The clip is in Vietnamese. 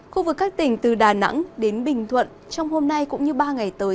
khu vực các tỉnh từ đà nẵng đến bình thuận trong hôm nay cũng như ba ngày tới